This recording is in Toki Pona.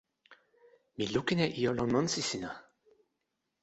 mi lukin e ijo lon monsi sina.